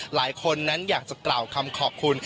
หลายคนนั้นอยากจะกล่าวคำขอบคุณ